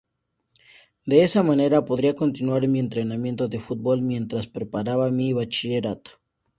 De esa manera, podría continuar mi entrenamiento de fútbol mientras preparaba mi bachillerato".